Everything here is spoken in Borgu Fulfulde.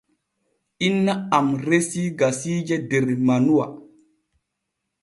Inna am resi gasiije der manuwa.